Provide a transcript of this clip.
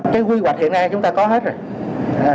cái quy hoạch hiện nay chúng ta có hết rồi